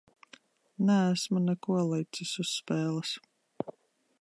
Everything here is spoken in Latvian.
Neesmu neko licis uz spēles.